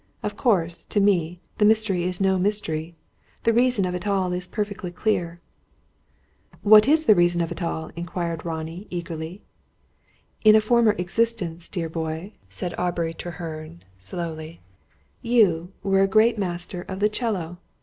Of course, to me, the mystery is no mystery. The reason of it all is perfectly clear." "What is the reason of it all?" inquired Ronnie, eagerly. "In a former existence, dear boy," said Aubrey Treherne, slowly, "you were a great master of the 'cello.